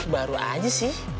baru aja sih